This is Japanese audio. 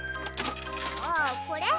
ああこれ？